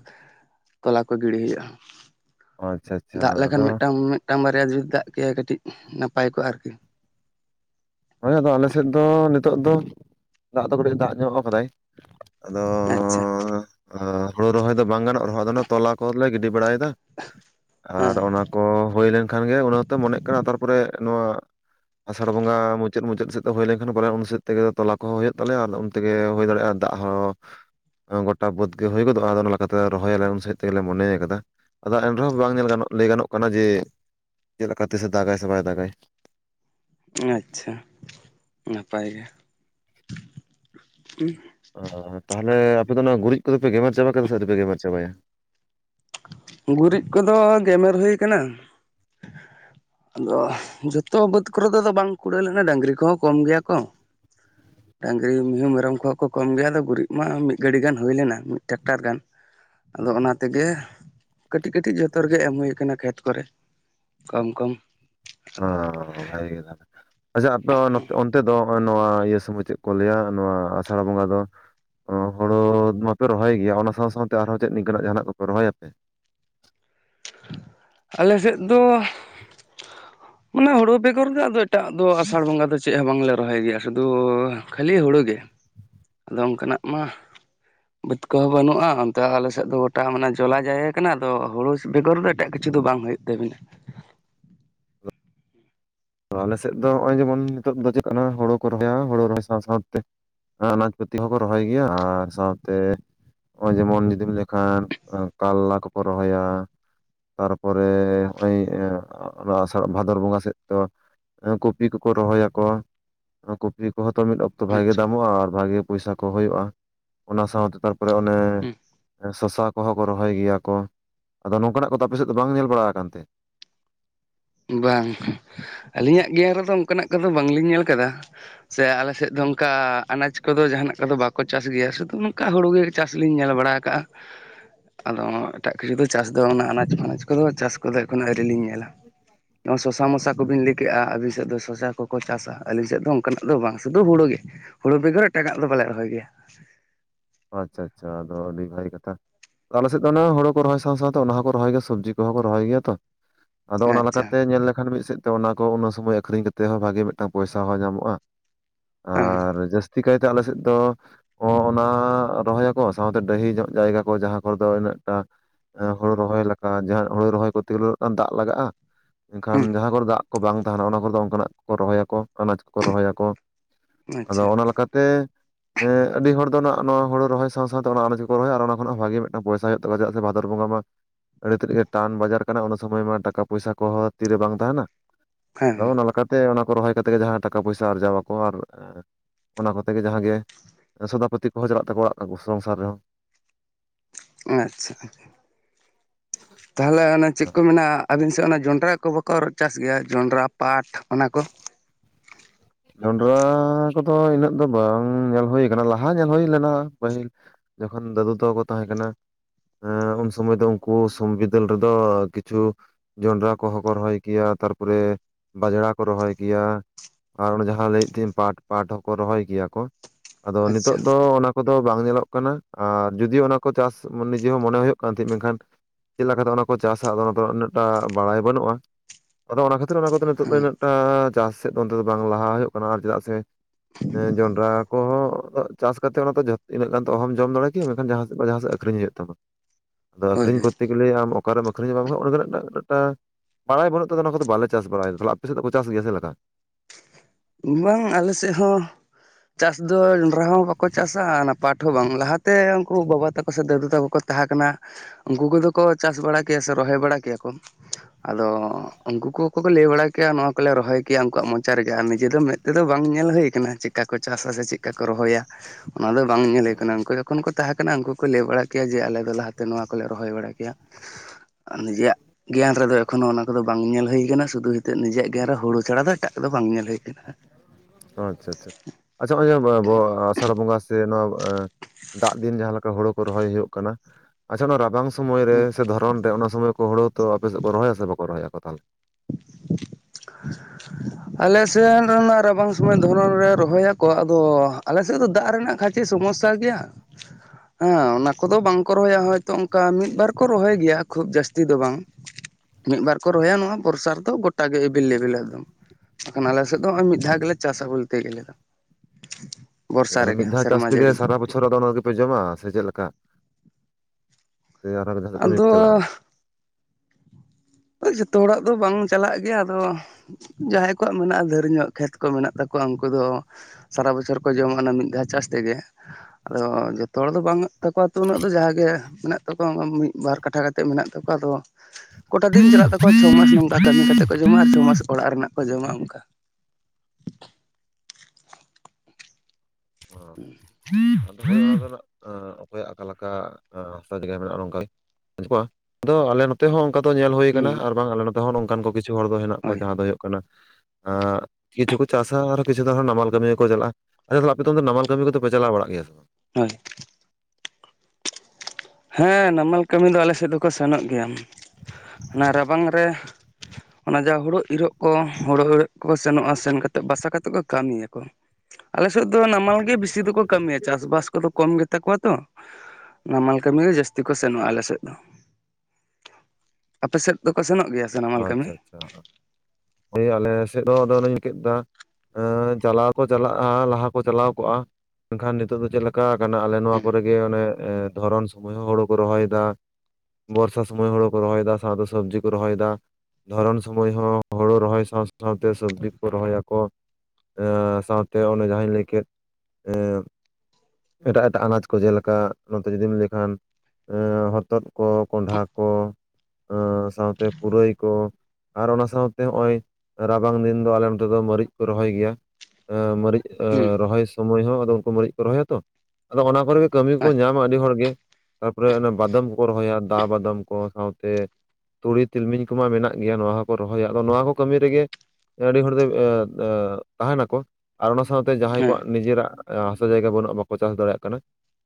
ᱛᱚᱞᱟ ᱠᱚ ᱜᱤᱲᱤ ᱦᱩᱭᱩᱜ-ᱟ᱾ ᱟᱪᱪᱷᱟ ᱟᱪᱪᱷᱟ ᱫᱟᱜ ᱞᱮᱠᱷᱟᱱ ᱟᱫᱚ ᱢᱤᱫᱴᱟᱝ ᱢᱤᱫᱴᱟᱝ ᱵᱟᱨᱭᱟ ᱡᱩᱫᱤ ᱫᱟᱜ ᱠᱮ-ᱟᱭ ᱠᱟᱹᱴᱤᱡ ᱱᱟᱯᱟᱭ ᱠᱚᱜ-ᱟ ᱟᱨᱠᱤ ᱦᱚᱭ ᱟᱫᱚ ᱟᱞᱮ ᱥᱮᱫ ᱫᱚ ᱱᱤᱛᱚᱜ ᱫᱚ ᱫᱟᱜ ᱫᱚ ᱠᱟᱹᱴᱤᱡ ᱫᱟᱜ ᱧᱚᱜ ᱟᱠᱟᱫᱟᱭ᱾ ᱟᱫᱚᱭ ᱟᱪᱪᱷᱟ ᱦᱚ ᱦᱩᱲᱩ ᱨᱚᱦᱚᱭ ᱫᱚ ᱵᱟᱝ ᱜᱟᱱᱚᱜ ᱨᱚᱦᱚᱸ ᱟᱫᱚ ᱚᱱᱟ ᱛᱚᱞᱟ ᱠᱚᱞᱮ ᱜᱤᱰᱤ ᱵᱟᱲᱟᱭ ᱫᱟ ᱟᱨ ᱦᱮᱸ ᱚᱱᱟ ᱠᱚ ᱦᱩᱭ ᱞᱮᱱ ᱠᱷᱟᱱ ᱜᱮ ᱚᱱᱟ ᱦᱚᱸ ᱛᱚ ᱢᱚᱱᱮᱜ ᱠᱟᱱᱟ ᱛᱟᱨᱯᱚᱨᱮ ᱱᱚᱣᱟ ᱟᱥᱟᱲ ᱵᱚᱸᱜᱟ ᱢᱩᱡᱽ ᱢᱩᱪᱟᱹᱫ ᱢᱩᱪᱟᱹᱫ ᱥᱮᱫ ᱛᱮ ᱦᱩᱭ ᱞᱮᱱᱠᱷᱟᱱ ᱵᱟᱨᱣᱟ ᱩᱱ ᱥᱮᱫ ᱛᱮᱜᱮ ᱛᱚᱞᱟ ᱠᱚᱦᱚᱸ ᱦᱩᱭᱩᱜ ᱛᱟᱞᱮᱭᱟ ᱩᱱ ᱛᱮᱜᱮ ᱦᱩᱭ ᱫᱟᱲᱮᱭᱟᱜ-ᱟ ᱫᱟᱜ ᱦᱚᱸ ᱚ ᱜᱚᱴᱟ ᱵᱟᱹᱫᱽ ᱜᱮ ᱦᱩᱭ ᱜᱚᱫᱚᱜ-ᱟ ᱟᱫᱚ ᱚᱱᱟ ᱞᱮᱠᱟ ᱛᱮ ᱨᱚᱦᱚᱭ ᱟᱞᱮ ᱩᱱ ᱥᱮᱫ ᱛᱮᱜᱮᱞᱮ ᱢᱚᱱᱮᱭ ᱟᱠᱟᱫᱟ᱾ ᱟᱫᱚ ᱮᱱ ᱨᱮᱦᱚᱸ ᱵᱟᱝ ᱧᱮᱞ ᱜᱟᱱᱚᱜ ᱞᱟᱹᱭ ᱜᱟᱱᱚᱜ ᱠᱟᱱᱟ ᱡᱮ ᱪᱮᱫ ᱞᱮᱠᱟ ᱛᱮᱥᱮ ᱫᱟᱜᱟᱭ ᱥᱮ ᱵᱟᱭ ᱫᱟᱜᱟᱭ ᱦᱮᱸ ᱟᱪᱪᱷᱟ ᱱᱟᱯᱟᱭ ᱜᱮ ᱩᱸ ᱚ ᱛᱟᱦᱚᱞᱮ ᱟᱯᱮ ᱫᱚ ᱚᱱᱟ ᱜᱩᱨᱤᱡ ᱠᱚᱫᱚ ᱯᱮ ᱜᱮᱢᱮᱨ ᱪᱟᱵᱟ ᱠᱟᱫᱟ ᱥᱮ ᱟᱹᱣᱨᱤ ᱯᱮ ᱜᱮᱢᱮᱨ ᱪᱟᱵᱟᱭᱟ? ᱜᱩᱨᱤᱡ ᱠᱚᱫᱚ ᱜᱮᱢᱮᱨ ᱦᱩᱭ ᱠᱟᱱᱟ᱾ [inaudible] ᱟᱫᱚ ᱡᱚᱛᱚ ᱵᱟᱹᱫᱽ ᱠᱚᱨᱮ ᱫᱚ ᱵᱟᱝ ᱠᱩᱲᱟᱹᱣ ᱞᱮᱱᱟ ᱰᱟᱹᱝᱨᱤ ᱠᱚᱦᱚᱸ ᱠᱚᱢ ᱜᱮᱭᱟ ᱠᱚ [inaudible] ᱰᱟᱹᱝᱨᱤ ᱢᱤᱸᱦᱩ ᱢᱮᱨᱚᱢ ᱠᱚᱦᱚᱸ ᱠᱚᱢ ᱜᱮᱭᱟ ᱟᱫᱚ ᱜᱩᱨᱤᱡᱽ ᱢᱟ ᱢᱤᱫ ᱜᱷᱟᱹᱲᱤ ᱜᱟᱱ ᱦᱩᱭ ᱞᱮᱱᱟ ᱢᱤᱫ ᱴᱮᱠᱴᱟᱨ ᱜᱟᱱ ᱟᱫᱚ ᱚᱱᱟ ᱛᱮᱜᱮ ᱠᱟᱹᱴᱤᱡᱽ ᱠᱟᱹᱴᱤᱡᱽ ᱡᱚᱛᱚ ᱨᱮᱜᱮ ᱮᱢ ᱦᱩᱭ ᱠᱟᱱᱟ ᱠᱷᱮᱛ ᱠᱚᱨᱮ ᱠᱚᱢ ᱠᱚᱢ ᱚ ᱵᱷᱟᱜᱤᱨᱜᱮ ᱛᱟᱦᱞᱮ ᱟᱪᱪᱷᱟ ᱟᱯᱮ ᱱᱚᱛᱮ ᱚᱱᱛᱮ ᱫᱚ ᱱᱚᱣᱟ ᱤᱭᱟᱹ ᱥᱚᱢᱚᱭ ᱪᱮᱫ ᱠᱚ ᱞᱟᱹᱭᱟ ᱱᱚᱣᱟ ᱟᱥᱟᱲ ᱵᱚᱸᱜᱟ ᱫᱚ ᱦᱚ ᱦᱳᱲᱳ ᱢᱟᱯᱮ ᱨᱚᱦᱚᱭ ᱜᱮᱭᱟ ᱚᱱᱟ ᱥᱟᱶ ᱥᱟᱶ ᱛᱮ ᱟᱨᱦᱚᱸ ᱪᱮᱫ ᱱᱤᱝᱠᱟᱹᱱᱟᱝ ᱡᱟᱦᱟᱱᱟᱸᱜ ᱠᱚᱯᱮ ᱨᱚᱦᱚᱭ ᱟᱯᱮ ᱟᱞᱮ ᱥᱮᱫ ᱫᱚ ᱩᱱᱟᱹ ᱦᱩᱲᱩ ᱵᱮᱜᱚᱨ ᱜᱮ ᱟᱫᱚ ᱮᱴᱟᱜ ᱫᱚ ᱟᱥᱟᱲ ᱵᱚᱸᱜᱟ ᱫᱚ ᱪᱮᱫ ᱦᱚᱸ ᱵᱟᱝᱞᱮ ᱨᱚᱦᱚᱭ ᱜᱮᱭᱟ ᱥᱩᱫᱷᱩ ᱠᱷᱟᱹᱞᱤ ᱦᱩᱲᱩ ᱜᱮ ᱟᱫᱚ ᱚᱱᱠᱟᱱᱟᱸᱜ ᱢᱟ ᱵᱟᱹᱛ ᱠᱚᱦᱚᱸ ᱵᱟᱹᱱᱩᱜᱼᱟ ᱚᱱᱛᱮ ᱟᱞᱮᱥᱮᱫ ᱫᱚ ᱜᱚᱴᱟ ᱢᱟᱱᱮ ᱡᱚᱞᱟ ᱡᱟᱭᱜᱟ ᱠᱟᱱᱟ ᱟ ᱦᱩᱲᱩ ᱵᱮᱜᱚᱨ ᱫᱚ ᱮᱴᱟᱜ ᱠᱤᱪᱷᱩ ᱫᱚ ᱵᱟᱝ ᱦᱩᱭᱩᱜ ᱛᱟᱵᱤᱱᱟ᱾ ᱛᱚ ᱟᱞᱮ ᱥᱮᱫ ᱫᱚ ᱱᱚᱜᱼᱚᱭ ᱡᱮᱢᱚᱱ ᱱᱤᱛᱚᱜ ᱫᱚ ᱪᱮᱫ ᱠᱟᱱᱟ ᱦᱩᱲᱩ ᱠᱚ ᱨᱚᱦᱚᱭᱟ ᱦᱩᱲᱩ ᱨᱚᱦᱚᱭ ᱥᱟᱶ ᱥᱟᱶᱛᱮ ᱦᱮᱸ ᱟᱱᱟᱡ ᱯᱟᱹᱛᱤ ᱦᱚᱸᱠᱚ ᱨᱚᱦᱚᱭ ᱜᱮᱭᱟ ᱟᱨ ᱥᱟᱶᱛᱮ ᱱᱚᱜᱚᱭ ᱡᱮᱢᱚᱱ ᱡᱩᱫᱤᱢ ᱞᱮᱟᱹᱭᱠᱷᱟᱱ ᱠᱟᱞᱞᱟ ᱠᱚᱠᱚ ᱨᱚᱦᱚᱭᱟ᱾ ᱛᱟᱨᱯᱚᱨᱮ ᱦᱚᱜᱼᱚᱭ ᱚᱱᱟ ᱟᱥᱲᱟ ᱵᱷᱟᱫᱚᱨ ᱵᱚᱸᱜᱟ ᱥᱮᱫ ᱛᱚ ᱠᱚᱯᱤ ᱠᱚᱠᱚ ᱨᱚᱦᱚᱭᱟᱠᱚ ᱠᱚᱯᱤ ᱠᱚᱦᱚᱸ ᱛᱚ ᱢᱤᱫ ᱚᱠᱛᱚ ᱛᱚ ᱵᱷᱟᱜᱮ ᱟᱪᱪᱷᱟ ᱫᱟᱢᱚᱜᱼᱟ ᱟᱨ ᱵᱷᱟᱜᱮ ᱯᱚᱭᱥᱟ ᱠᱚ ᱦᱩᱭᱩᱜᱼᱟ ᱚᱱᱟ ᱥᱟᱶᱛᱮ ᱛᱟᱨᱯᱚᱨᱮ ᱚᱱᱮ ᱦᱩᱸ ᱥᱚᱥᱟᱠ ᱠᱚᱦᱚᱸ ᱠᱚ ᱨᱚᱦᱚᱭ ᱜᱮᱭᱟ ᱠᱚ ᱟᱫᱚ ᱱᱚᱝᱠᱟᱱᱟᱜ ᱠᱚᱫᱚ ᱟᱯᱮ ᱥᱮᱫ ᱫᱚ ᱵᱟᱝ ᱧᱮᱞ ᱵᱟᱲᱟ ᱟᱠᱟᱱ ᱛᱮ ᱵᱟᱝ ᱟᱹᱞᱤᱧᱟᱜ ᱜᱮᱭᱟᱱ ᱨᱮᱫᱚ ᱚᱱᱠᱟᱱᱟᱜ ᱠᱚᱫᱚ ᱵᱟᱝ ᱞᱤᱧ ᱧᱮᱞ ᱠᱟᱫᱟ᱾ ᱥᱮ ᱟᱞᱮ ᱥᱮᱫ ᱫᱚ ᱚᱱᱠᱟ ᱟᱱᱟᱡᱽ ᱠᱚᱫᱚ ᱡᱟᱦᱟᱱᱟᱸᱜ ᱠᱚᱫᱚ ᱵᱟᱠᱚ ᱪᱟᱥ ᱜᱮᱭᱟ ᱥᱩᱫᱩ ᱱᱚᱝᱠᱟ ᱦᱩᱲᱩ ᱜᱮ ᱪᱟᱥ ᱞᱤᱧ ᱧᱮᱞ ᱵᱟᱲᱟ ᱠᱟᱜᱼᱟ᱾ ᱟᱫᱚ ᱮᱴᱟᱜ ᱠᱤᱪᱩ ᱫᱚ ᱪᱟᱥ ᱫᱚ ᱟᱱᱟᱡᱽ ᱯᱱᱟᱪ ᱠᱚᱫᱚ ᱪᱟᱥ ᱠᱚᱫᱚ ᱮᱠᱷᱱᱳ ᱟᱹᱣᱨᱤ ᱞᱤᱧ ᱧᱮᱞᱟ᱾ ᱱᱚᱣᱟ ᱚ ᱥᱚᱥᱟ ᱢᱚᱥᱟ ᱠᱚᱵᱤᱱ ᱞᱟᱹᱭ ᱠᱮᱜᱼᱟ ᱟᱹᱵᱤᱱ ᱥᱮᱫ ᱫᱚ ᱥᱚᱥᱟ ᱠᱚ ᱠᱚ ᱪᱟᱥᱟ ᱟᱹᱞᱤᱧ ᱥᱮᱫ ᱫᱚ ᱚᱱᱠᱟᱱᱟᱜ ᱫᱚ ᱵᱟᱝ ᱥᱩᱫᱩ ᱦᱩᱲᱩ ᱜᱮ ᱦᱩᱲᱩ ᱵᱮᱜᱚᱨ ᱾ ᱴᱮᱠᱟᱜ ᱫᱚ ᱵᱟᱞᱮ ᱨᱚᱦᱚᱭ ᱜᱮᱭᱟ ᱟᱪᱪᱷᱟ ᱟᱪᱪᱷᱟ ᱟᱫᱚ ᱟᱹᱰᱤ ᱵᱷᱟᱹᱜᱤ ᱠᱟᱛᱷᱟ ᱟᱞᱮ ᱥᱮᱫ ᱫᱚ ᱚᱱᱟ ᱦᱩᱲᱩ ᱠᱚ ᱨᱚᱦᱚᱭ ᱥᱟᱶᱛᱮ ᱚᱱᱟ ᱦᱚᱸᱠᱚ ᱨᱚᱦᱚᱭ ᱜᱮᱭᱟ ᱥᱚᱵᱡᱤ ᱠᱚᱦᱚᱸ ᱠᱚ ᱨᱚᱦᱚᱭ ᱜᱮᱭᱟ ᱛᱚ ᱟᱫᱚ ᱚᱱᱟ ᱟᱪᱪᱷᱟ ᱞᱮᱠᱟᱛᱮ ᱧᱮᱞ ᱞᱮᱠᱷᱟᱱ ᱢᱤᱫ ᱥᱮᱫᱽ ᱚᱱᱟ ᱠᱚ ᱩᱱᱱᱟᱹ ᱥᱚᱢᱚᱭ ᱟᱠᱠᱷᱨᱤᱧ ᱠᱟᱛᱮ ᱦᱚᱸ ᱵᱷᱟᱜᱤ ᱢᱤᱫᱴᱟᱝ ᱯᱚᱭᱥᱟ ᱦᱚᱸ ᱧᱟᱢᱚᱜᱼᱟ ᱦᱮᱸ ᱟᱨ ᱡᱟᱹᱥᱛᱤ ᱪᱤᱠᱟᱭᱛᱮ ᱟᱞᱮᱥᱮᱫ ᱫᱚ ᱚᱱᱟ ᱟᱸ ᱨᱚᱦᱚᱭᱟᱠᱚ ᱥᱟᱶᱛᱮ ᱰᱟᱹᱦᱤ ᱧᱚᱜ ᱡᱟᱭᱜᱟ ᱠᱚ ᱡᱟᱦᱟᱸ ᱠᱚᱨᱮ ᱫᱚ ᱤᱱᱟᱹᱜ ᱴᱟ ᱦᱩᱲᱩ ᱨᱚᱦᱚᱭ ᱞᱮᱠᱟ ᱡᱟᱦᱟᱸ ᱦᱩᱲᱩ ᱨᱚᱦᱚᱭ ᱠᱚ ᱛᱤᱱᱟᱸᱜ ᱜᱟᱱᱨ ᱫᱟᱜᱽ ᱞᱟᱜᱟᱜᱼᱟ᱾ ᱮᱱᱠᱷᱟᱱ ᱦᱮᱸ ᱡᱟᱦᱟᱸ ᱠᱚᱨᱮ ᱫᱟᱜᱽ ᱠᱚ ᱵᱟᱝ ᱛᱟᱦᱮᱱᱟ ᱚᱱᱟ ᱠᱚᱨᱮ ᱫᱚ ᱚᱱᱠᱟᱱᱟᱜ ᱠᱚᱠᱚ ᱨᱚᱦᱚᱭᱟᱠᱚ ᱟᱱᱟᱡᱽ ᱠᱚᱠᱚ ᱨᱚᱦᱚᱭᱟᱠᱚ᱾ ᱦᱩᱸ ᱟᱫᱚ ᱟᱪᱪᱷᱟ ᱚᱱᱟ ᱞᱮᱠᱟᱛᱮ ᱟᱹᱰᱤ ᱦᱚᱲ ᱫᱚ ᱱᱟᱸᱜ ᱱᱚᱣᱟ ᱦᱩᱲᱩ ᱨᱚᱦᱚᱭ ᱥᱟᱶᱛᱮ ᱚᱱᱟᱡᱽ ᱠᱚᱠᱚ ᱨᱚᱦᱭᱟ ᱟᱨ ᱚᱱᱟ ᱠᱷᱚᱱᱟᱜ ᱵᱷᱟᱜᱤ ᱢᱤᱫᱴ ᱯᱚᱭᱥ ᱦᱩᱭᱩᱜ ᱛᱟᱠᱚ ᱪᱮᱫᱟᱜ ᱥᱮ ᱵᱷᱟᱫᱚᱨ ᱵᱚᱸᱜᱟ ᱢᱟ ᱟᱹᱰᱤ ᱛᱮᱫ ᱜᱮ ᱴᱟᱱ ᱵᱟᱡᱟᱨ ᱠᱟᱱᱟ ᱚᱱᱟ ᱥᱚᱢᱚᱭ ᱢᱟ ᱴᱟᱠᱟ ᱯᱚᱭᱥᱟ ᱠᱚᱦᱚᱸ ᱛᱤᱨᱮ ᱵᱟᱝ ᱛᱟᱦᱮᱱᱟ᱾ ᱦᱮᱸ ᱦᱮᱸ ᱟᱫᱚ ᱚᱱᱟ ᱞᱮᱠᱟᱛᱮ ᱚᱱᱟ ᱠᱚ ᱨᱚᱦᱚᱭ ᱠᱟᱛᱮᱮᱫ ᱜᱮ ᱡᱟᱦᱟᱸᱭ ᱴᱟᱠᱟ ᱯᱚᱭᱥᱟ ᱟᱨᱡᱟᱣᱟᱠᱚ ᱟᱨ ᱚᱱᱟ ᱠᱚᱛᱮ ᱜᱮ ᱡᱟᱦᱟᱸᱜ ᱜᱮ ᱥᱚᱫᱷᱟ ᱯᱚᱛᱤ ᱠᱚᱦᱚᱸ ᱪᱟᱞᱟᱜ ᱛᱟᱠᱚᱣᱟ ᱥᱚᱝᱥᱟᱨ ᱨᱮᱦᱚᱸ ᱟᱪᱪᱷᱟ [inaudible] ᱛᱟᱦᱚᱞᱮ ᱚᱱᱮ ᱪᱮᱫ ᱠᱚ ᱢᱮᱱᱟ ᱟᱹᱵᱤᱱ ᱥᱮᱫ ᱚᱱᱟ ᱡᱚᱱᱰᱨᱟ ᱠᱚ ᱵᱟᱠᱚ ᱪᱟᱥ ᱜᱮᱭᱟ ᱡᱚᱱᱰᱨᱟ ᱯᱟᱴ ᱚᱱᱟ ᱠᱚ? ᱡᱚᱱᱰᱨᱟ ᱠᱚᱫᱚ ᱤᱱᱟᱹᱜ ᱫᱚ ᱵᱟᱝ ᱧᱮᱞ ᱦᱩᱭ ᱠᱟᱱᱟ ᱞᱟᱦᱟ ᱧᱮᱞ ᱦᱩᱭ ᱞᱮᱱᱟ ᱯᱟᱹᱦᱤᱞ᱾ ᱡᱚᱠᱷᱚᱱ ᱫᱟᱫᱩ ᱛᱟᱠᱚ ᱛᱟᱦᱮᱸ ᱠᱟᱱᱟ᱾ ᱦᱮᱸ ᱩᱱ ᱥᱚᱢᱚᱭ ᱫᱚ ᱩᱱᱠᱩ ᱥᱚᱝᱵᱤᱫᱞ ᱨᱮᱫᱚ ᱠᱤᱪᱷᱩ ᱡᱚᱱᱰᱨᱟ ᱠᱚᱦᱚᱸ ᱠᱚ ᱨᱚᱦᱚᱭ ᱜᱮᱭᱟ ᱛᱟᱨᱯᱚᱨᱮ ᱵᱟᱡᱽᱲᱟ ᱠᱚ ᱨᱚᱦᱚᱭ ᱜᱮᱭᱟ ᱟᱨ ᱡᱟᱦᱟᱸ ᱞᱟᱹᱭᱮᱫ ᱛᱤᱧ ᱯᱟᱴ ᱯᱟᱴ ᱦᱚᱸᱠᱚ ᱨᱚᱦᱚᱭ ᱜᱮᱭᱟ ᱠᱚ ᱟᱫᱚ ᱱᱤᱛᱚᱜ ᱟᱪᱪᱷᱟ ᱫᱚ ᱚᱱᱟ ᱠᱚᱫᱚ ᱵᱟᱝ ᱧᱮᱞᱚᱜ ᱠᱟᱱᱟ ᱟᱨ ᱡᱩᱫᱤ ᱚᱱᱟ ᱠᱚ ᱪᱟᱥ ᱱᱤᱡᱮ ᱦᱚᱸ ᱢᱚᱱᱮ ᱦᱩᱭᱩᱜ ᱠᱟᱱ ᱛᱟᱦᱮᱸᱫ ᱢᱮᱱᱠᱷᱟᱱ ᱪᱮᱫ ᱞᱮᱠᱟᱛᱮ ᱚᱱᱟ ᱠᱚ ᱪᱟᱥᱟ ᱚᱱᱟ ᱫᱚ ᱩᱱᱟᱹᱜᱴᱟ ᱵᱟᱲᱟᱭ ᱵᱟᱹᱱᱩᱜᱼᱟ᱾ ᱟᱫᱚ ᱚᱱᱟ ᱠᱷᱟᱹᱛᱤᱨ ᱚᱱᱟ ᱠᱚᱫᱚ ᱱᱤᱛᱚᱜ ᱫᱚ ᱦᱮᱸ ᱩᱱᱟᱹᱜᱴᱟ ᱪᱟᱥ ᱥᱮᱫ ᱫᱚ ᱚᱱᱛᱮ ᱫᱚ ᱵᱟᱝ ᱞᱟᱦᱟ ᱦᱩᱭᱩᱜ ᱠᱟᱱᱟ, ᱟᱨ ᱪᱮᱫᱟᱜ ᱥᱮ ᱮᱸ ᱡᱚᱱᱰᱨᱟ ᱠᱚᱦᱚᱸ ᱪᱟᱥ ᱠᱟᱛᱮᱜ ᱚᱱᱟ ᱤᱱᱟᱹᱜ ᱜᱟᱱ ᱚᱦᱚᱢ ᱡᱚᱢ ᱫᱟᱲᱮ ᱠᱮᱭᱟ ᱢᱮᱱᱠᱷᱟᱱ ᱡᱟᱦᱟ ᱥᱮᱫ ᱵᱟᱝ ᱡᱟᱦᱟ ᱥᱮᱫ ᱟᱠᱷᱨᱤᱧ ᱦᱩᱭᱩᱜ ᱛᱟᱢᱟ ᱟᱫᱚ ᱦᱳᱭ ᱟᱠᱷᱨᱤᱧ ᱦᱳᱭ ᱠᱚᱨᱛᱮ ᱜᱮᱞᱮ ᱟᱢ ᱚᱠᱟᱨᱮᱢ ᱟᱹᱠᱷᱨᱤᱧ ᱧᱟᱢ ᱠᱷᱟᱱ ᱚᱸᱰᱮᱱᱟᱜ ᱮᱴᱟᱝ ᱵᱟᱲᱟᱭ ᱵᱟᱹᱱᱩᱜ ᱛᱟᱚ ᱠᱚᱫᱚ ᱵᱟᱞ ᱪᱟᱥ ᱵᱟᱲᱟ ᱛᱟᱦ ᱟᱯᱮ ᱥᱮᱫ ᱠᱚ ᱪᱟᱥ ᱜᱮᱭᱟ ᱪᱮᱫ ᱞᱮᱠᱟ? ᱵᱟᱝ ᱟᱞᱮ ᱥᱮᱫ ᱦᱚᱸ, ᱪᱟᱥ ᱫᱚ ᱡᱚᱱᱰᱨᱟ ᱦᱚᱸ ᱵᱟᱠᱚ ᱪᱟᱥᱟ ᱚᱱᱟ ᱯᱟᱴ ᱦᱚᱸ ᱵᱟᱝ ᱞᱟᱦᱟᱛᱮ ᱩᱱᱠᱩ ᱵᱟᱵᱟ ᱛᱟᱠᱚ ᱥᱮ ᱫᱟᱹᱫᱩ ᱛᱟᱠᱚ ᱠᱚ ᱛᱟᱦᱮᱸ ᱠᱟᱱᱟ ᱩᱱᱠᱩ ᱠᱚᱫᱚ ᱠᱚ ᱪᱟᱥ ᱵᱟᱲᱟ ᱠᱮᱭᱟ ᱥᱮ ᱨᱚᱦᱚᱭ ᱵᱟᱲᱟ ᱠᱮᱭᱟ ᱠᱚ᱾ ᱟᱫᱚ ᱩᱱᱠᱩ ᱠᱚᱠᱚ ᱞᱟᱹᱭ ᱵᱟᱲᱟ ᱠᱮᱭᱟ ᱱᱚᱣᱟ ᱠᱚᱞᱮ ᱨᱚᱦᱚᱭ ᱠᱮᱭᱟ ᱩᱱᱠᱩᱣᱟᱜ ᱢᱚᱪᱟ ᱨᱮᱜᱮ ᱟᱱᱤᱡ ᱱᱤᱡᱮ ᱫᱚ ᱢᱮᱫ ᱛᱮᱫᱚ ᱵᱟᱝ ᱧᱮᱞ ᱦᱩᱭ ᱠᱟᱱᱟ ᱪᱮᱫᱠᱟ ᱠᱚ ᱪᱟᱥᱟ ᱥᱮ ᱪᱮᱫᱠᱟ ᱠᱚ ᱨᱚᱦᱚᱭᱟ? ᱚᱱᱟ ᱫᱚ ᱵᱟᱝ ᱧᱮᱞᱮ ᱠᱟᱱᱟ ᱩᱱᱠᱩ ᱡᱚᱠᱷᱚᱱ ᱠᱚ ᱛᱟᱦᱮᱸ ᱠᱟᱱᱟ ᱩᱱᱠᱩ ᱠᱚ ᱞᱟᱹᱭ ᱵᱟᱲᱟ ᱠᱮᱭᱟ ᱡᱮ ᱟᱞᱮ ᱫᱚ ᱞᱟᱦᱟᱛᱮ ᱱᱚᱣᱟ ᱠᱚᱞᱮ ᱨᱚᱦᱚᱭ ᱵᱟᱲᱟ ᱠᱮᱭᱟ᱾ ᱟᱨ ᱱᱤᱡᱮᱭᱟᱜ ᱜᱮᱭᱟᱱ ᱨᱮᱫᱚ ᱮᱠᱷᱚᱱᱚ ᱚᱱᱟ ᱠᱚᱫᱚ ᱵᱟᱝ ᱧᱮᱞ ᱦᱩᱭ ᱠᱟᱱᱟ ᱥᱩᱫᱩ ᱦᱤᱛᱟᱹᱜ ᱱᱤᱡᱮᱭᱟᱜ ᱜᱮᱨ ᱦᱩᱲᱩ ᱪᱷᱟᱲᱟ ᱫᱚ ᱮᱴᱟᱜ ᱠᱚᱫᱚ ᱵᱟᱝ ᱧᱮᱞ ᱦᱩᱭ [inaudible] ᱚ ᱟᱪᱪᱷᱟ ᱟᱪᱪᱷᱟ, ᱟᱪᱪᱷᱟ ᱱᱚᱜᱼᱚᱭ ᱡᱮ ᱟᱥᱟᱲ ᱵᱚᱸᱜᱟ ᱥᱮ ᱱᱚᱣᱟ ᱫᱟᱜ ᱫᱤᱱ ᱡᱟᱦᱟᱸ ᱞᱮᱠᱟ ᱦᱩᱲᱩ ᱠᱚ ᱨᱚᱦᱚᱭ ᱦᱩᱭᱩᱜ ᱠᱟᱱᱟ ᱟᱪᱪᱷᱟ ᱚᱱᱟ ᱨᱟᱵᱟᱝ ᱥᱳᱢᱚᱭ ᱨᱮ ᱦᱩᱸ ᱥᱮ ᱫᱷᱚᱨᱚᱱ ᱨᱮ ᱚᱱᱟ ᱥᱚᱢᱳᱭ ᱠᱚ ᱦᱩᱲᱩ ᱛᱚ ᱟᱯᱮ ᱥᱮᱫ ᱠᱚ ᱨᱚᱦᱚᱭᱟ ᱥᱮ ᱵᱟᱠᱚ ᱨᱚᱦᱚᱭᱟᱠᱚ ᱛᱟᱦᱚᱞᱮ? [inaudible] [inaudible] [inaudible] ᱟᱞᱮᱥᱮᱫ ᱨᱮᱱᱟᱜ ᱨᱟᱵᱟᱝ ᱥᱚᱢᱚᱭ ᱫᱷᱚᱨᱚᱱ ᱨᱮ ᱨᱚᱦᱚᱭᱟᱠᱚ ᱟᱫᱚ ᱟᱞᱮᱥᱮᱫ ᱫᱚ ᱫᱟᱜ ᱨᱮᱱᱟᱜ ᱠᱷᱟᱪ ᱪᱮ ᱥᱚᱢᱚᱥᱥᱟ ᱜᱮᱭᱟ ᱦᱮᱸ ᱚᱱᱟ ᱠᱚᱫᱚ ᱵᱟᱝ ᱠᱚ ᱨᱚᱦᱚᱭᱟ ᱦᱚᱸ ᱛᱚ ᱚᱱᱠᱟ ᱢᱤᱫ ᱵᱟᱨ ᱠᱚ ᱨᱚᱦᱚᱭ ᱜᱮᱭᱟ ᱠᱷᱩᱵ ᱡᱟᱹᱥᱛᱤ ᱫᱚ ᱵᱟᱝ, ᱢᱤᱫ ᱵᱟᱨ ᱠᱚ ᱨᱚᱦᱚᱭᱟ ᱱᱚᱣᱟ ᱵᱚᱨᱥᱟᱨ ᱫᱚ ᱜᱚᱴᱟᱜ ᱜᱮ ᱮᱵᱮᱞᱮᱵᱮᱞ ᱮᱠᱫᱚᱢ, ᱵᱟᱠᱷᱟᱱ ᱟᱞᱮ ᱥᱮᱫ ᱫᱚ ᱱᱚᱜ ᱚᱭ ᱢᱤᱫ ᱫᱷᱟᱣ ᱜᱮᱞᱮ ᱪᱟᱥᱟ ᱵᱚᱞᱛᱮᱭ ᱜᱮᱞᱮ ᱫᱚ᱾ ᱵᱚᱨᱥᱟ ᱚᱱᱟ ᱨᱮᱜᱮ ᱢᱤᱫ ᱫᱷᱟᱣ ᱪᱟᱥ ᱥᱮᱨᱢᱟ ᱛᱮᱜᱮ ᱡᱟᱹᱲᱤ ᱜᱮ ᱥᱟᱨᱟ ᱵᱚᱪᱷᱚᱨ ᱟᱫᱚ ᱚᱱᱟ ᱜᱮᱯᱮ ᱡᱚᱢᱟ ᱥᱮ ᱪᱮᱫᱞᱮᱠᱟ? ᱥᱮᱫ ᱠᱟᱹᱢᱤ ᱟᱫᱚ ᱯᱮ ᱪᱟᱞᱟᱜᱼᱟ? [inaudible] ᱳᱭ ᱡᱷᱚᱛᱚ ᱦᱚᱲᱟᱜ ᱫᱚ ᱵᱟᱝ ᱪᱟᱞᱟᱜ ᱜᱮᱭᱟ ᱟᱫᱚ ᱡᱟᱦᱟᱸᱭ ᱠᱚᱣᱟᱜ ᱢᱮᱱᱟᱜᱼᱟ ᱫᱷᱟᱹᱨ ᱧᱚᱜ ᱠᱷᱮᱛ ᱠᱚ ᱢᱮᱱᱟᱜ ᱛᱟᱠᱚᱣᱟ ᱩᱝᱠᱩ ᱫᱚ ᱥᱟᱨᱟ ᱵᱚᱪᱷᱚᱨ ᱠᱚ ᱡᱚᱢᱟ ᱚᱱᱟ ᱢᱤᱫ ᱫᱷᱟᱣ ᱪᱟᱥ ᱛᱮᱜᱮ, ᱟᱫᱚ ᱡᱚᱛᱚ ᱦᱚᱲ ᱫᱚ ᱵᱟᱝᱟᱜ ᱛᱟᱠᱚᱣᱟᱛᱚ ᱩᱱᱟᱹᱜ ᱫᱚ ᱡᱟᱦᱟᱸᱜᱮ ᱢᱮᱱᱟᱜ ᱛᱟᱠᱚᱣᱟ ᱢᱤᱫ ᱵᱟᱨ ᱠᱟᱴᱷᱟ ᱠᱟᱛᱮᱫ ᱢᱮᱱᱟᱜ ᱛᱟᱠᱚᱣᱟ ᱟᱫᱚ ᱠᱚᱴᱟ ᱫᱤᱱ ᱪᱟᱞᱟᱜ ᱛᱟᱠᱚᱣᱟ ᱪᱷᱚ ᱢᱟᱥ ᱱᱚᱝᱠᱟ, ᱠᱟᱹᱢᱤ ᱠᱟᱛᱮᱜ ᱠᱚ ᱡᱚᱢᱟ ᱟᱨ ᱪᱷᱚ ᱢᱟᱥ ᱚᱲᱟᱜ ᱨᱮᱱᱟᱜ ᱠᱚ ᱡᱚᱢᱟ ᱚᱱᱠᱟ᱾ ᱚ [inaudible] ᱚᱠᱚᱭᱟᱜ ᱚᱠᱟᱞᱮᱠᱟ ᱚᱱᱠᱟ ᱦᱟᱥᱟ ᱡᱟᱭᱜᱟ ᱢᱮᱱᱟᱜᱼᱟ ᱱᱚᱝᱠᱟ ᱜᱮ ᱵᱟᱹᱱᱩᱜ ᱠᱚᱣᱟ ᱟᱫᱚ ᱟᱞᱮ ᱱᱚ ᱛᱮ ᱦᱚᱸ ᱚᱱᱠᱟ ᱫᱚ ᱧᱮᱞ ᱦᱩᱭ ᱠᱟᱱᱟ ᱦᱩᱸ ᱟᱨ ᱵᱟᱝ ᱟᱞᱮ ᱱᱚᱛᱮ ᱦᱚᱸ ᱱᱝᱠᱟᱱ ᱠᱚ ᱠᱤᱪᱷᱩ ᱦᱚᱲ ᱫᱚ ᱦᱮᱱᱟᱜ ᱠᱚᱣᱟ ᱦᱳᱭ ᱡᱟᱦᱟᱸ ᱫᱚ ᱦᱩᱭᱩᱜ ᱠᱟᱱᱟ ᱟᱸᱜ ᱠᱤᱪᱷᱩ ᱠᱚ ᱪᱟᱥᱟ ᱟᱨ ᱠᱤᱪᱷᱩ ᱱᱟᱢᱟᱞ ᱠᱟᱹᱢᱤ ᱜᱮᱠᱚ ᱪᱟᱞᱟᱜᱼᱟ᱾ ᱟᱯᱮ ᱚᱱᱛᱮ ᱫᱚ ᱱᱟᱢᱟᱞ ᱠᱟᱹᱢᱤ ᱠᱚᱫᱚ ᱯᱮ ᱪᱟᱞᱟᱣ ᱵᱟᱲᱟᱜ ᱜᱮᱭᱟ ᱥᱮ ᱵᱟᱝ? ᱦᱮᱸ᱾ ᱦᱮᱸ ᱱᱟᱢᱟᱞ ᱠᱟᱹᱢᱤ ᱫᱚ ᱟᱞᱮ ᱥᱮᱫ ᱫᱚᱠᱚ ᱥᱮᱱᱚᱜ ᱜᱮᱭᱟ ᱚᱱᱟ ᱨᱟᱵᱟᱝ ᱨᱮ ᱚᱱᱟ ᱡᱟ ᱦᱳᱲᱳ ᱤᱨᱚᱜ ᱠᱚ ᱦᱳᱲᱳ ᱤᱨᱚᱜ ᱠᱚᱠᱚ ᱥᱮᱱᱚᱜᱼᱟ ᱥᱮᱱ ᱠᱟᱛᱮᱫ ᱵᱟᱥᱟ ᱠᱟᱛᱮᱫ ᱠᱚ ᱠᱟᱹᱢᱤᱭᱟ ᱠᱚ᱾ ᱟᱞᱮᱥᱮᱫ ᱫᱚ ᱱᱟᱢᱟᱞ ᱜᱮ ᱵᱮᱥᱤ ᱫᱚᱠᱚ ᱠᱟᱹᱢᱤᱭᱟ ᱪᱟᱥᱵᱟᱥ ᱠᱚᱫᱚ ᱠᱚᱢ ᱜᱮᱛᱟ ᱠᱚᱣᱟ ᱛᱚ ᱱᱟᱢᱟᱞ ᱠᱟᱹᱢᱤ ᱜᱮ ᱡᱟᱹᱥᱛᱤ ᱠᱚ ᱥᱮᱱᱚᱜᱼᱟ ᱟᱞᱮ ᱥᱮᱫ ᱫᱚ, ᱟᱯᱮ ᱥᱮᱫ ᱫᱚᱠᱚ ᱥᱮᱱᱚᱜ ᱜᱮᱭᱟ? ᱥᱮ ᱚ ᱱᱟᱢᱟᱞ ᱠᱟᱹᱢᱤ ᱟᱪᱪᱷᱟ ᱟᱪᱪᱷᱟ, ᱳᱭ ᱟᱞᱮ ᱥᱮᱫ ᱫᱚ ᱟᱫᱚᱧ ᱞᱟᱹᱭ ᱠᱮᱫ ᱫᱟ᱾ ᱮᱸ ᱪᱟᱞᱟᱣ ᱠᱚ ᱪᱟᱞᱟᱜᱼᱟ ᱞᱟᱦᱟ ᱠᱚ ᱪᱟᱞᱟᱣ ᱠᱚᱜᱼᱟ᱾ ᱢᱮᱱᱠᱷᱟᱱ ᱱᱤᱛᱚᱜ ᱫᱚ ᱪᱮᱫ ᱞᱮᱠᱟ ᱠᱟᱱᱟ ᱟᱞᱮ ᱱᱚᱣᱟ ᱦᱩᱸ ᱠᱚᱨᱮ ᱜᱮ ᱚᱱᱮ ᱫᱷᱚᱨᱚᱱ ᱥᱚᱢᱚᱭ ᱦᱚᱸ ᱦᱳᱲᱳ ᱠᱚ ᱨᱚᱦᱚᱭᱫᱟ᱾ ᱵᱚᱨᱥᱟ ᱥᱚᱢᱚᱭ ᱦᱳᱲᱳ ᱠᱚ ᱨᱚᱦᱚᱭᱫᱟ ᱥᱟᱶᱛᱮ ᱥᱚᱵᱽᱡᱤ ᱠᱚ ᱨᱚᱦᱚᱭᱫᱟ ᱫᱷᱚᱨᱚᱱ ᱥᱚᱢᱚᱭ ᱦᱚᱸ᱾ ᱦᱳᱲᱳ ᱨᱚᱦᱚᱭ ᱥᱟᱶ ᱥᱟᱶᱛᱮ ᱥᱚᱵᱽᱡᱤ ᱠᱚᱠᱚ ᱨᱚᱦᱚᱭ ᱟᱠᱚ᱾ ᱥᱟᱶᱛᱮ ᱚᱱᱮ ᱡᱟᱦᱟᱸᱧ ᱞᱟᱹᱭ ᱠᱮᱫ᱾ ᱮᱴᱟᱜ ᱮᱴᱟᱜ ᱟᱱᱟᱡ ᱠᱚ ᱡᱮᱞᱮᱠᱟ ᱱᱚᱛᱮ ᱡᱩᱫᱤᱢ ᱞᱟᱹᱭ ᱠᱷᱟᱱ ᱦᱚᱛᱚᱫ ᱠᱚ ᱠᱚᱸᱰᱷᱟ ᱠᱚ᱾ ᱥᱟᱶᱛᱮ ᱯᱩᱨᱟᱹᱭ ᱠᱚ ᱟᱨ ᱚᱱᱟ ᱥᱟᱶ ᱼᱼᱛᱮ ᱦᱚᱸᱜᱼᱚᱭ ᱨᱟᱵᱟᱝ ᱫᱤᱱ ᱫᱚ ᱟᱞᱮ ᱱᱚᱛᱮ ᱫᱚ ᱢᱟᱹᱨᱤᱪ ᱠᱚ ᱨᱚᱦᱚᱭ ᱜᱮᱭᱟ ᱢᱟᱹᱨᱤᱪ ᱦᱩᱸ ᱨᱚᱦᱚᱭ ᱥᱚ ᱥᱚᱢᱚᱭ ᱦᱚᱸ ᱟᱫᱚ ᱩᱱᱠᱩ ᱢᱟᱹᱨᱤᱡ ᱠᱚ ᱨᱚᱦᱚᱭᱟ ᱛᱚ ᱟᱫᱚ ᱚᱱᱟ ᱠᱚᱨᱮ ᱜᱮ ᱠᱟᱹᱢᱤ ᱠᱚ ᱟᱪᱪᱷᱟ ᱧᱟᱢᱟ ᱟᱹᱰᱤ ᱦᱚᱲ ᱜᱮ᱾ ᱛᱟᱨᱯᱚᱨᱮ ᱚᱱᱟ ᱵᱟᱫᱟᱢ ᱠᱚᱠᱚ ᱨᱚᱦᱚᱭᱟ ᱫᱟ ᱵᱟᱫᱟᱢ ᱠᱚ ᱥᱟᱶᱛᱮ ᱛᱩᱲᱤ ᱛᱤᱞᱢᱤᱧ ᱠᱚᱢᱟ ᱢᱮᱱᱟᱜ ᱜᱮᱭᱟ ᱱᱚᱣᱟ ᱦᱚᱸᱠᱚ ᱨᱚᱦᱚᱭᱟ ᱟᱫᱚ ᱱᱚᱣᱟ ᱠᱚ ᱠᱟᱹᱢᱤ ᱨᱮᱜᱮ ᱟᱹᱰᱤ ᱦᱚᱲ ᱫᱚ ᱛᱟᱦᱮᱱᱟᱠᱚ ᱟᱨ ᱚᱱᱟ ᱥᱟᱶᱛᱮ ᱡᱟᱦᱟᱸᱭ ᱠᱚᱣᱟᱜ ᱦᱮᱸ ᱱᱤᱡᱮᱨᱟᱜ ᱦᱟᱥᱟ ᱡᱟᱭᱜᱟ ᱵᱟᱹᱱᱩᱜᱟ, ᱵᱟᱠᱚ ᱪᱟᱥ ᱫᱟᱲᱮᱭᱟᱜ ᱠᱟᱱᱟ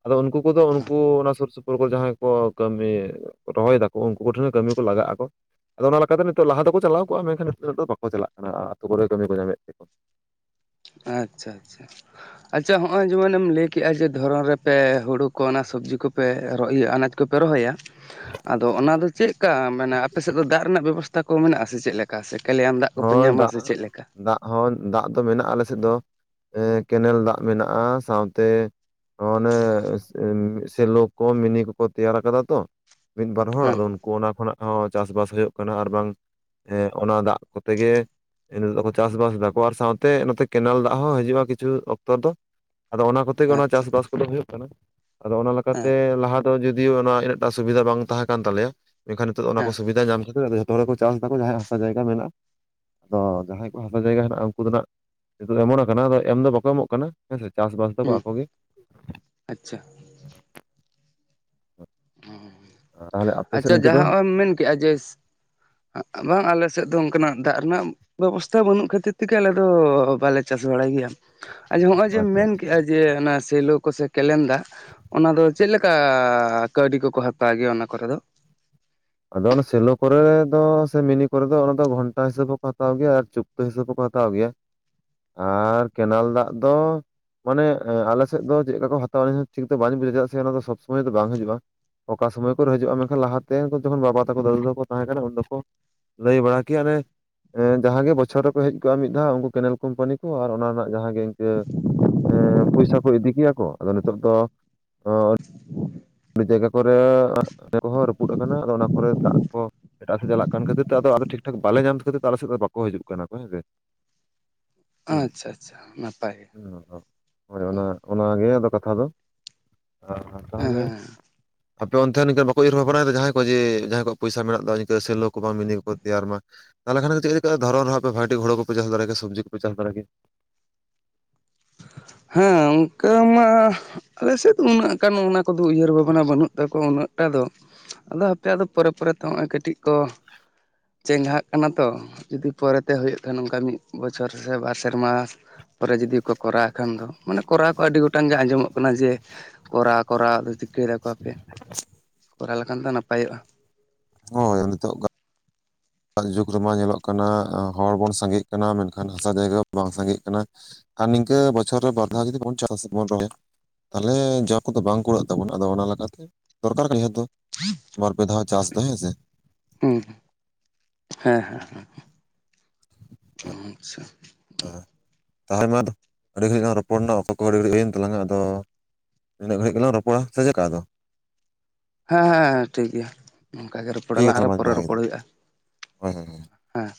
ᱟᱫᱚ ᱩᱱᱠᱩ ᱠᱚᱫᱚ ᱩᱱᱠᱩ ᱚᱱᱟ ᱥᱩᱨ ᱥᱩᱯᱩᱨ ᱠᱚᱨᱮ ᱡᱟᱦᱟᱸᱭ ᱠᱚ ᱠᱟᱹᱢᱤ ᱨᱚᱦᱚᱭ ᱫᱟᱠᱚ ᱩᱱᱠᱩ ᱠᱚᱴᱷᱮᱱ ᱠᱟᱹᱢᱤ ᱠᱚ ᱞᱟᱜᱟᱜ ᱟᱠᱚ ᱟᱫᱚ ᱚᱱᱟ ᱞᱮᱠᱟᱛᱮ ᱱᱤᱛᱚᱜ ᱞᱟᱦᱟ ᱫᱚᱠᱚ ᱪᱟᱞᱟᱣ ᱟᱠᱩᱣᱟᱜ ᱢᱮᱱᱠᱷᱟᱱ ᱱᱤᱛᱚᱜ ᱫᱚ ᱵᱟᱠᱚ ᱪᱟᱞᱟᱜ ᱠᱟᱱᱟ ᱟᱛᱳ ᱠᱚᱨᱮ ᱠᱟᱹᱢᱤ ᱠᱚ ᱧᱟᱢᱮᱫ ᱛᱮᱠᱚ ᱟᱪᱪᱷᱟ ᱟᱪᱪᱷᱟ ᱻ ᱟᱪᱪᱷᱟ ᱦᱚᱜᱼᱚᱭ ᱡᱮᱢᱚᱱ ᱮᱢ ᱞᱟᱹᱭ ᱠᱮᱫᱼᱟ ᱡᱮ ᱫᱷᱚᱨᱚᱱ ᱨᱮᱯᱮ ᱦᱩᱲᱩ ᱠᱚ ᱚᱱᱟ ᱥᱚᱵᱽᱡᱤ ᱠᱚᱯᱮ ᱤᱭᱟᱹ ᱟᱱᱟᱡᱽ ᱠᱚᱯᱮ ᱨᱚᱦᱚᱭᱟ ᱟᱫᱚ ᱚᱱᱟ ᱫᱚ ᱪᱮᱫ ᱠᱟ ᱢᱟᱱᱮ ᱟᱯᱮ ᱥᱮᱫ ᱫᱚ ᱫᱟᱜ ᱨᱮᱱᱟᱜ ᱵᱮᱵᱚᱥᱛᱟ ᱠᱚ ᱢᱮᱱᱟᱜᱼᱟᱥᱮ ᱪᱮᱫ ᱞᱮᱠᱟ? ᱚᱠᱟ ᱥᱮ ᱠᱟᱞᱭᱟᱱ ᱫᱟᱜ ᱠᱚᱯᱮ ᱦᱳᱭ ᱧᱟᱢᱟ ᱫᱟᱜ ᱥᱮ ᱪᱮᱫ ᱞᱮᱠᱟ? ᱫᱟᱜ ᱦᱚᱸ ᱫᱟᱜ ᱫᱚ ᱢᱮᱱᱟᱜᱼᱟ ᱟᱞᱮ ᱥᱮᱫ ᱫᱚ ᱠᱮᱱᱮᱞ ᱫᱟᱜ ᱢᱮᱱᱟᱜᱼᱟ ᱥᱟᱶᱛᱮ ᱚᱱᱮ ᱥᱮᱞᱚ ᱠᱚ ᱢᱤᱱᱤ ᱠᱚᱠᱚ ᱛᱮᱭᱟᱨ ᱠᱟᱫᱟ ᱛᱚ ᱢᱤᱫ ᱵᱟᱨ ᱦᱚᱲ ᱦᱮᱸ ᱟᱫᱚ ᱩᱱᱠᱩ ᱚᱱᱟ ᱠᱷᱚᱱᱟᱜ ᱦᱚᱸ ᱪᱟᱥᱵᱟᱥ ᱦᱩᱭᱩᱜ ᱠᱟᱱᱟ ᱟᱨ ᱵᱟᱝ ᱦᱮᱸ ᱚᱱᱟ ᱫᱟᱜ ᱠᱚᱛᱮ ᱜᱮ᱾ ᱤᱱᱟᱹ ᱛᱮᱠᱚ ᱪᱟᱥᱵᱟᱥ ᱫᱟᱠᱚ ᱟᱨ ᱥᱟᱶᱛᱮ ᱱᱚᱛᱮ ᱠᱮᱱᱮᱞ ᱫᱟᱜ ᱦᱚᱸ ᱦᱟᱹᱡᱩᱜᱼᱟ ᱠᱤᱪᱷᱩ ᱚᱠᱛᱚ ᱫᱚ᱾ ᱟᱫᱚ ᱚᱱᱟ ᱠᱚᱛᱮ ᱜᱮ ᱚᱱᱟ ᱟᱪᱪᱷᱟ ᱪᱟᱥᱵᱟᱥ ᱠᱚᱫᱚ ᱦᱩᱭᱩᱜ ᱠᱟᱱᱟ ᱟᱫᱚ ᱚᱱᱟ ᱞᱮᱠᱟᱛᱮ ᱦᱮᱸ ᱞᱟᱦᱟ ᱡᱩᱫᱤ ᱚᱱᱟ ᱤᱱᱟᱹᱜᱴᱟ ᱥᱩᱵᱤᱫᱷᱟ ᱵᱟᱝ ᱛᱟᱦᱮᱸ ᱠᱟᱱ ᱛᱟᱞᱮᱭᱟ ᱢᱮᱱᱠᱷᱟᱱ ᱱᱤᱛᱚᱜ ᱚᱱᱟ ᱠᱚ ᱦᱮᱸ ᱥᱩᱵᱤᱫᱟ ᱧᱟᱢ ᱠᱷᱟᱛᱤᱨ ᱡᱷᱚᱛᱚ ᱛᱚ ᱦᱚᱲ ᱜᱮ ᱠᱚ ᱪᱟᱥ ᱮᱫᱟᱠᱚ ᱡᱟᱦᱟᱸᱭᱟᱜ ᱦᱟᱥᱟ ᱡᱟᱭᱜᱟ ᱢᱮᱱᱟᱜᱼᱟ ᱟᱫᱚ ᱡᱟᱦᱟᱸᱭ ᱠᱚ ᱦᱟᱥᱟ ᱡᱟᱭᱜᱟ ᱦᱮᱱᱟᱜᱼᱟ ᱩᱱᱠᱩ ᱫᱚᱱᱟᱜ ᱱᱤᱛᱚᱜ ᱮᱢᱚᱱ ᱟᱠᱟᱱᱟ ᱟᱫᱚ ᱮᱢ ᱫᱚ ᱵᱟᱠᱚ ᱮᱢᱚᱜ ᱠᱟᱱᱟ ᱦᱮᱸ ᱥᱮ ᱪᱟᱥᱵᱟᱥ ᱫᱟᱠᱚ ᱦᱩᱸ ᱟᱠᱚ ᱜᱮ ᱟᱪᱪᱷᱟ ᱛᱟᱦᱚᱞᱮ ᱟᱯᱮ ᱥᱮᱫ ᱟᱪᱪᱷᱟ ᱱᱤᱝᱠᱟᱹ ᱫᱚ ᱡᱟᱦᱟᱸᱢ ᱢᱮᱱ ᱠᱮᱫᱟ ᱡᱮ ᱵᱟᱝ ᱟᱞᱮ ᱥᱮᱫ ᱫᱚ ᱚᱱᱠᱟᱱᱟᱜ ᱫᱟᱜ ᱨᱮᱱᱟᱜ ᱵᱮᱵᱚᱥᱛᱷᱟ ᱵᱟᱹᱱᱩᱜ ᱠᱷᱟᱹᱛᱤᱨ ᱛᱮᱜᱮ ᱟᱞᱮ ᱫᱚ ᱵᱟᱞᱮ ᱪᱟᱥ ᱵᱟᱲᱟᱭ ᱜᱮᱭᱟ᱾ ᱟᱨ ᱡᱮ ᱱᱚᱜᱼᱚᱭ ᱡᱮ ᱟᱪᱪᱷᱟ ᱢᱮᱱ ᱟᱪᱪᱷᱟ, ᱠᱮᱫᱮᱜᱼᱟ ᱡᱮ ᱚᱱᱟ ᱥᱮᱞᱳ ᱠᱚ ᱥᱮ ᱠᱮᱞᱮᱱ ᱫᱟᱜ ᱚᱱᱟ ᱫᱚ ᱪᱮᱫ ᱞᱮᱠᱟ ᱠᱟᱹᱣᱰᱤ ᱠᱚᱠᱚ ᱦᱟᱛᱟᱣ ᱜᱮᱭᱟ ᱚᱱᱟ ᱠᱚᱨᱮ ᱫᱚ? ᱟᱫᱚ ᱚᱱᱟ ᱥᱮᱞᱳ ᱠᱚᱨᱮ ᱫᱚ ᱥᱮ ᱢᱤᱱᱤ ᱠᱚᱨᱮ ᱫᱚ ᱚᱱᱟ ᱫᱚ ᱜᱷᱚᱱᱴᱟ ᱦᱤᱥᱟᱹᱵ ᱦᱚᱸᱠᱚ ᱦᱟᱛᱟᱣ ᱜᱮᱭᱟ ᱟᱨ ᱪᱩᱯᱼᱼ ᱦᱤᱥᱟᱹᱵ ᱦᱚᱠᱚ ᱦᱟᱛᱟᱣ ᱜᱮᱭᱟ ᱟᱨ ᱠᱮᱱᱮᱞ ᱫᱟᱜ ᱫᱚ ᱢᱟᱱᱮ ᱟᱞᱮ ᱥᱮᱫ ᱫᱚ ᱪᱮᱫ ᱞᱮᱠᱟ ᱠᱚ ᱦᱟᱛᱟᱣᱟ ᱴᱷᱤᱠ ᱫᱚ ᱵᱟᱹᱧ ᱵᱩᱡᱷᱟᱹᱣᱟ, ᱪᱮᱫᱟᱜ ᱥᱮ ᱚᱱᱟ ᱫᱚ ᱥᱚᱵ ᱥᱚᱢᱚᱭ ᱫᱚ ᱵᱟᱝ ᱦᱤᱡᱩᱜᱼᱟ᱾ ᱚᱠᱟ ᱥᱚᱢᱚᱭ ᱠᱚᱨᱮ ᱦᱤᱡᱩᱜᱼᱟ ᱢᱮᱱᱠᱷᱟᱱ ᱞᱟᱦᱟᱛᱮ ᱩᱱ ᱡᱚᱠᱷᱚᱱ ᱵᱟᱵᱟ ᱛᱟᱠᱚ ᱫᱟᱫᱩ ᱛᱟᱠᱚ ᱛᱟᱦᱮᱸ ᱠᱟᱱᱟ ᱩᱱ ᱫᱚᱠᱚ ᱞᱟᱹᱭ ᱵᱟᱲᱟ ᱠᱮᱭᱟ ᱞᱮ ᱡᱟᱦᱟ ᱜᱮ ᱵᱚᱪᱷᱚᱨ ᱨᱮᱠᱚ ᱦᱮᱡ ᱠᱚᱜᱼᱟ ᱢᱤᱫ ᱫᱷᱟᱣ ᱩᱱᱠᱩ ᱠᱮᱱᱮᱞ ᱠᱳᱢᱯᱟᱱᱤ ᱠᱚ ᱟᱨ ᱚᱱᱟ ᱨᱮᱱᱟᱜ ᱡᱟᱦᱟᱸᱜ ᱜᱮ ᱤᱱᱠᱟᱹ ᱯᱚᱭᱥᱟ ᱠᱚ ᱤᱫᱤ ᱠᱮᱭᱟ ᱠᱚ ᱟᱫᱚ ᱱᱤᱛᱚᱜ ᱫᱚ ᱟᱹᱰᱤ ᱡᱟᱭᱜᱟ ᱠᱚᱨᱮ [unintelligible] ᱠᱚᱦᱚᱸ ᱨᱟᱹᱯᱩᱫ ᱟᱠᱟᱱᱟ ᱟᱫᱚ ᱚᱱᱟ ᱠᱚᱨᱮ ᱫᱟᱜ ᱠᱚ ᱮᱴᱟᱜ ᱥᱮᱫ ᱪᱟᱞᱟᱜ ᱠᱟᱱ ᱠᱷᱟᱹᱛᱤᱨ ᱛᱮ ᱟᱫᱚ ᱴᱷᱤᱠ ᱴᱷᱟᱠ ᱵᱟᱞᱮ ᱧᱟᱢ ᱠᱷᱟᱹᱛᱤᱨ ᱟᱞᱮ ᱥᱮᱫ ᱫᱚ ᱵᱟᱠᱚ ᱦᱤᱡᱩᱜ ᱠᱟᱱᱟ ᱠᱚ ᱦᱮᱸᱥᱮ᱾ ᱦᱩᱸ ᱟᱪᱪᱷᱟ ᱟᱪᱪᱷᱟ ᱱᱟᱯᱟᱭ ᱜᱮ ᱦᱮᱸ ᱦᱳᱭ ᱚᱱᱟ ᱚᱱᱟᱜᱮ ᱟᱫᱚ ᱠᱟᱛᱷᱟ ᱫᱚ ᱟᱨ ᱛᱟᱦᱚᱞᱮ ᱮᱸᱻ ᱟᱯᱮ ᱚᱱᱛᱮ ᱵᱟᱠᱚ ᱩᱭᱦᱟᱹᱨ ᱵᱷᱟᱵᱱᱟ ᱡᱟᱦᱟᱸᱭ ᱠᱚ ᱡᱮ ᱡᱟᱦᱟᱸᱭ ᱠᱚᱣᱟᱜ ᱯᱚᱭᱥᱟ ᱢᱮᱱᱟᱜ ᱫᱚ ᱤᱱᱠᱟᱹ ᱥᱮᱞᱳ ᱠᱚ ᱵᱟᱝ ᱢᱤᱱᱤ ᱠᱚ ᱛᱮᱭᱟᱨ ᱢᱟ ᱛᱟᱦᱚᱞᱮ ᱠᱷᱟᱱ ᱪᱮᱫ ᱞᱮᱠᱟ ᱫᱷᱚᱨᱚᱱ ᱨᱮᱦᱚᱸ ᱟᱯᱮ ᱵᱷᱟᱜᱮ ᱦᱩᱲᱩ ᱠᱚᱯᱮ ᱪᱟᱥ ᱫᱟᱲᱮ ᱠᱮᱭᱟ ᱥᱚᱵᱡᱤ ᱠᱚᱯᱮ ᱪᱟᱥ ᱫᱟᱲᱮᱭᱟᱜ ᱠᱮᱭᱟ ᱦᱮᱸ ᱚᱱᱠᱟ ᱢᱟ ᱟᱞᱮᱥᱮᱫ ᱫᱚ ᱩᱱᱟᱹᱜ ᱜᱟᱱ ᱚᱱᱟ ᱠᱚᱫᱚ ᱩᱭᱦᱟᱹᱨ ᱵᱷᱟᱵᱽᱱᱟ ᱵᱟᱹᱱᱩᱜ ᱛᱟᱠᱚᱣᱟ ᱩᱱᱟᱹᱜᱴᱟ ᱫᱚ᱾ ᱟᱫᱚ ᱦᱟᱯᱮᱭᱟᱜ ᱫᱚ ᱯᱚᱨᱮ ᱯᱚᱨᱮ ᱛᱮ ᱦᱚᱹᱜᱼᱚᱭ ᱠᱟᱹᱴᱤᱡ ᱠᱚ ᱪᱮᱸᱜᱷᱟᱜ ᱠᱟᱱᱟ ᱛᱚ ᱡᱩᱫᱤ ᱯᱚᱨᱮᱛᱮ ᱦᱩᱭᱩᱜ ᱠᱷᱟᱱ ᱚᱝᱠᱟ ᱢᱤᱜ ᱵᱚᱪᱷᱚᱨ ᱥᱮ ᱵᱟᱨ ᱥᱮᱨᱢᱟ ᱯᱚᱨᱮ ᱡᱩᱫᱤ ᱠᱚ ᱠᱚᱨᱟᱣ ᱠᱷᱟᱱ ᱫᱚ ᱢᱟᱱᱮ ᱠᱚᱨᱟᱣ ᱠᱚ ᱟᱹᱰᱤ ᱜᱚᱴᱟᱝ ᱜᱮ ᱟᱸᱡᱚᱢᱚᱜ ᱠᱟᱱᱟ ᱡᱮ ᱠᱚᱨᱟᱣ ᱠᱚᱨᱟᱣ ᱟᱫᱚ ᱪᱤᱠᱟᱹᱭ ᱫᱟᱠᱚ ᱦᱟᱯᱮ ᱠᱚᱨᱟᱣ ᱞᱮᱠᱷᱟᱱ ᱫᱚ ᱱᱟᱯᱟᱭᱚᱜᱼᱟ᱾ ᱦᱳᱭ ᱱᱤᱛᱚᱜ ᱜᱟ ᱟᱜ ᱡᱩᱜᱽ ᱨᱮᱢᱟ ᱧᱮᱞᱚᱜ ᱠᱟᱱᱟ ᱦᱚᱲ ᱵᱚᱱ ᱥᱟᱸᱜᱮᱜ ᱠᱟᱱᱟ ᱢᱮᱱᱠᱷᱟᱱ ᱦᱟᱥᱟ ᱡᱟᱭᱜᱟ ᱵᱟᱝ ᱥᱟᱸᱜᱮᱜ ᱠᱟᱱᱟ᱾ ᱟᱨ ᱱᱤᱝᱠᱟᱹ ᱵᱚᱪᱷᱚᱨ ᱨᱮ ᱵᱟᱨ ᱫᱷᱟᱣ ᱡᱚᱫᱤ ᱠᱚ ᱪᱟᱥ ᱵᱚᱱ ᱨᱚᱦᱚᱭᱟ ᱛᱟᱞᱦᱮ ᱡᱚ ᱠᱚᱫᱚ ᱵᱟᱝ ᱠᱩᱲᱟᱹᱜ ᱛᱟᱵᱚᱱᱟ ᱟᱫᱚ ᱚᱱᱟ ᱞᱮᱠᱟᱛᱮ ᱫᱚᱨᱠᱟᱨ ᱠᱟᱱᱟ ᱱᱤᱦᱟᱹᱛ ᱫᱚ᱾ [inaudible] ᱵᱟᱨᱯᱮ ᱫᱷᱟᱣ ᱪᱟᱥ ᱫᱚ ᱦᱮᱸ ᱥᱮ᱾ ᱦᱩᱸ ᱦᱮᱸ ᱦᱮᱸ ᱦᱮᱸ ᱟᱪᱪᱷᱟ ᱦᱮᱸ ᱛᱟᱦᱞᱮ ᱢᱟᱫᱚ ᱟᱹᱰᱤ ᱜᱷᱟᱹᱲᱤᱡ ᱞᱟᱝ ᱨᱚᱯᱚᱲᱱᱟ ᱚᱠᱛᱚ ᱠᱚ ᱟᱹᱰᱤ ᱜᱷᱟᱹᱲᱤᱡ ᱦᱩᱭᱮᱱ ᱛᱟᱞᱟᱝᱟ ᱟᱫᱚ ᱤᱱᱟᱹᱜ ᱜᱟᱹᱲᱤᱡ ᱜᱮᱞᱟ ᱨᱚᱯᱚᱲᱟ ᱥᱮ ᱪᱮᱫᱠᱟ ᱟᱫᱚ? ᱦᱮᱸ ᱦᱮᱸ ᱦᱮᱸ ᱴᱷᱤᱠ ᱜᱮᱭᱟ ᱱ ᱚᱝᱠᱟᱜᱮ ᱴᱷᱤᱠ ᱜᱮᱭᱟ ᱨᱚᱯᱚᱲᱟᱞᱟᱝ ᱟᱨᱚ ᱛᱟᱦᱚᱞᱮ ᱢᱟᱧ ᱯᱚᱨᱮ ᱨᱚᱯᱚᱲ ᱫᱚᱦᱚᱭᱮᱫᱟ ᱦᱩᱭᱩᱜᱼᱟ᱾ ᱦᱳᱭ ᱦᱳᱭ ᱦᱳᱭ᱾ ᱦᱮᱸ